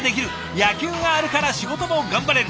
野球があるから仕事も頑張れる。